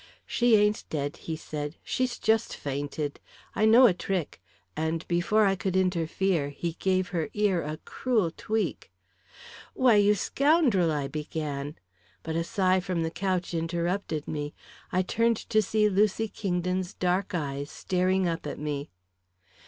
"She ain't dead," he said. "She's chust fainted. I know a trick," and before I could interfere, he gave her ear a cruel tweak. "Why, you scoundrel!" I began, but a sigh from the couch interrupted me. I turned to see Lucy Kingdon's dark eyes staring up at me.